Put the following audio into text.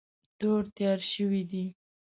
تور تیار شوی دی.